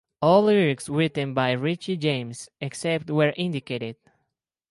All lyrics written by Richey James, except where indicated.